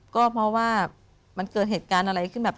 ก็เพราะว่ามันเกิดเหตุการณ์อะไรขึ้นแบบ